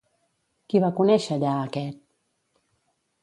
Qui va conèixer allà aquest?